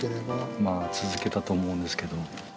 まあ、続けたと思うんですけど。